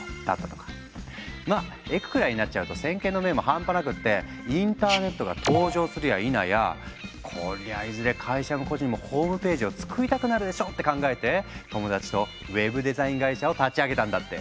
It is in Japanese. まあエクくらいになっちゃうと先見の明も半端なくってインターネットが登場するやいなや「こりゃいずれ会社も個人もホームページを作りたくなるでしょ」って考えて友達とウェブデザイン会社を立ち上げたんだって。